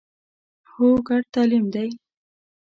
هو، ګډ تعلیم دی